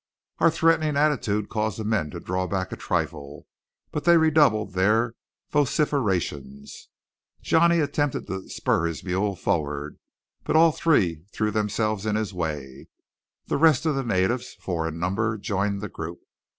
Our threatening attitude caused the men to draw back a trifle; but they redoubled their vociferations. Johnny attempted to spur his mule forward; but all three threw themselves in his way. The rest of the natives, four in number, joined the group.